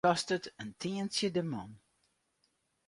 It kostet in tientsje de man.